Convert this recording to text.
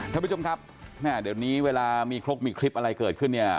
ท่านผู้ชมครับแม่เดี๋ยวนี้เวลามีครกมีคลิปอะไรเกิดขึ้นเนี่ย